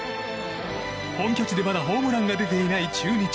本拠地でまだホームランが出ていない中日。